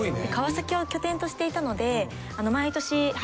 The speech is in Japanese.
川崎を拠点としていたので。